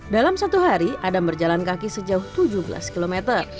dalam satu hari adam berjalan kaki sejauh tujuh belas km